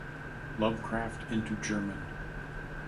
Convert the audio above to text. Lovecraft into German.